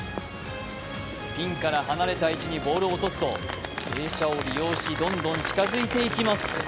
ピンから離れた位置にボールを落とすと傾斜を利用し、どんどん近づいていきます。